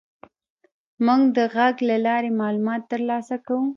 موږ د غږ له لارې معلومات تر لاسه کوو.